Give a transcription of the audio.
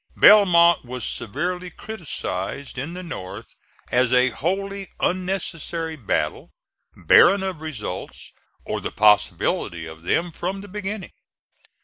Belmont was severely criticised in the North as a wholly unnecessary battle, barren of results, or the possibility of them from the beginning.